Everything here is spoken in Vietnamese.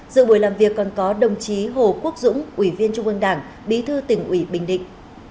dự buổi làm việc còn có đồng chí hồ quốc dũng ủy viên trung ương đảng bí thư tỉnh ủy bình định